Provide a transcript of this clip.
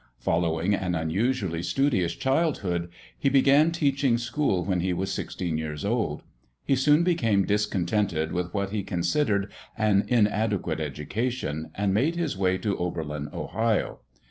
Following an unusually studious childhood, he began teaching school when he was 16 years old. He soon became discontented with what he considered an inadequate education, and made his way to Oberlin, Ohio.